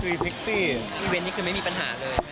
อีเว้นนี่คือไม่มีปัญหาเลย